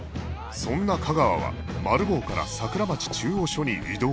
そんな架川はマル暴から桜町中央署に異動